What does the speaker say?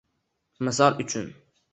Misol uchun: